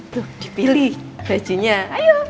tuh dipilih bajunya ayo